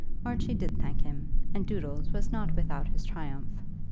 Archie did thank him, and Doodles was not without his triumph.